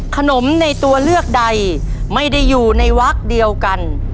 ขนมในตัวเลือกใดไม่ได้อยู่ในวักเดียวกัน